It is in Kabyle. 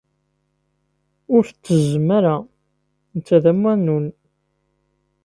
Ur t-ttezzem ara, netta d amanun.